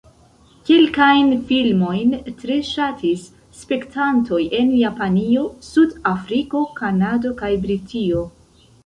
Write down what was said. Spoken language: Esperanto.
Kelkajn filmojn tre ŝatis spektantoj en Japanio, Sud-Afriko, Kanado kaj Britio.